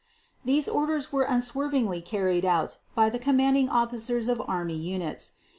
These orders were unswervingly carried out by the commanding officers of Army units.